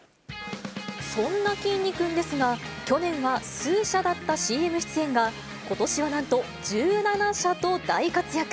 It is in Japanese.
そんなきんに君ですが、去年は数社だったＣＭ出演が、ことしはなんと１７社と大活躍。